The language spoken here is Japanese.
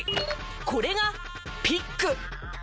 これがピック。